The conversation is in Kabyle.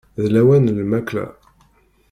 D lawan n lmakla.